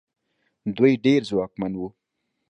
دوی ډېر ځواکمن وو.